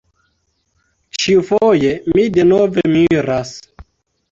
Ĉiufoje mi denove miras.